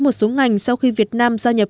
một số ngành sau khi việt nam gia nhập